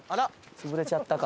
潰れちゃったか。